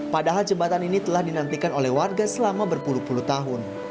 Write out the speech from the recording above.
padahal jembatan ini telah dinantikan oleh warga selama berpuluh puluh tahun